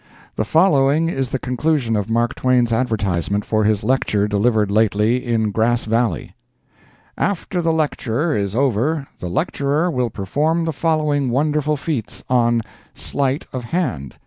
—The following is the conclusion of Mark Twain's advertisement for his lecture delivered lately in Grass Valley: "After the lecture is over the lecturer will perform the following wonderful feats on SLEIGHT OF HAND.